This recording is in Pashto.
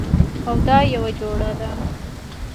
او دا یوه جوړه ده